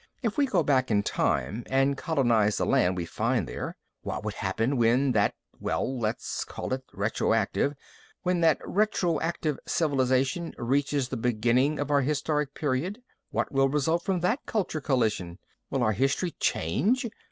"If we go back in time and colonize the land we find there, what would happen when that well, let's call it retroactive when that retroactive civilization reaches the beginning of our historic period? What will result from that cultural collision? Will our history change?